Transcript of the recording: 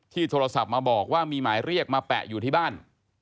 โทรศัพท์มาบอกว่ามีหมายเรียกมาแปะอยู่ที่บ้าน